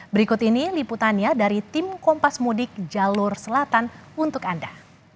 berikut ini liputannya dari tim kompas mudik jalur selatan untuk anda